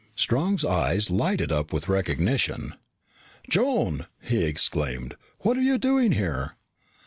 Strong's eyes lighted up with recognition. "Joan!" he exclaimed. "What are you doing here?"